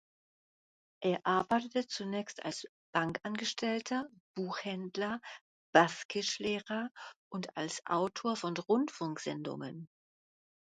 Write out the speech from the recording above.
Er arbeitete zunächst als Bankangestellter, Buchhändler, Baskisch-Lehrer und als Autor von Rundfunksendungen.